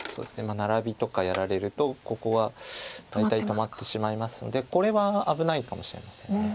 ナラビとかやられるとここは大体止まってしまいますのでこれは危ないかもしれません。